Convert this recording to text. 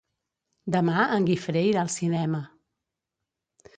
Demà en Guifré irà al cinema.